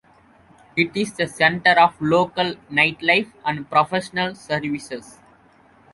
It is the center of local nightlife and professional services.